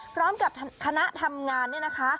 พร้อมกับคณะทำงานเนี่ยนะคะ